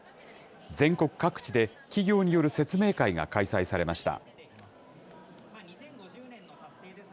全国各地で、企業による説明会が開催されました。